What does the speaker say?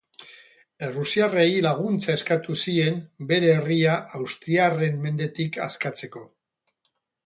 Errusiarrei laguntza eskatu zien bere herria austriarren mendetik askatzeko.